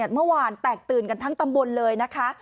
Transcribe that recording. เมื่อวานแตกตื่นกันทั้งตำบลเลยนะคะ